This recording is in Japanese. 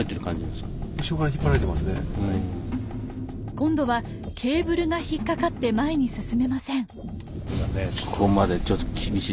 今度はケーブルが引っ掛かって前に進めません。